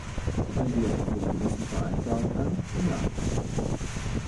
Wenn sie es mit ihrem Gewissen vereinbaren kann, ja.